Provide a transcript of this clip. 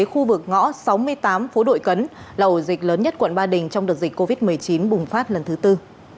khu vực ngõ sáu mươi tám phố đội cấn là ổ dịch lớn nhất quận ba đình trong đợt dịch covid một mươi chín bùng phát lần thứ tư